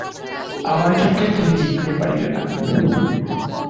আমার ক্ষেত্রে তুমি জিততে পারবে না।